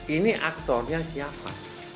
ini aktornya siapa